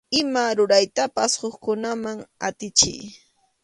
Ima ruraytapas hukkunaman atichiy.